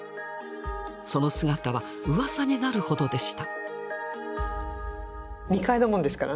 その姿はうわさになるほどでした。